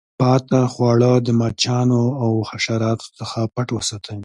پاته خواړه د مچانو او حشراتو څخه پټ وساتئ.